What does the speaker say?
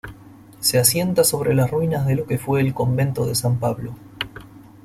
Se asienta sobre las ruinas de lo que fue el Convento de San Pablo.